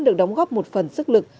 được đóng góp một phần sức lực